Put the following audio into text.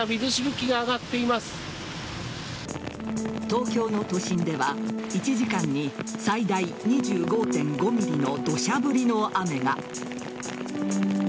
東京の都心では１時間に最大２５．５ｍｍの土砂降りの雨が。